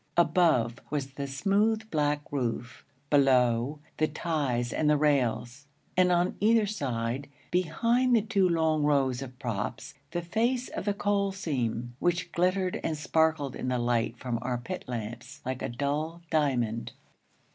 Above was the smooth, black roof; below, the ties and the rails; and on either side, behind the two long rows of props, the face of the coal seam, which glittered and sparkled in the light from our pit lamps like a dull diamond.